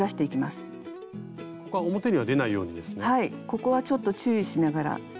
ここはちょっと注意しながら。